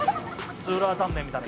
スーラータンメンみたいに。